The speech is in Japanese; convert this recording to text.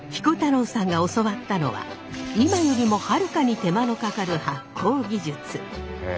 彦太郎さんが教わったのは今よりもはるかに手間のかかる発酵技術。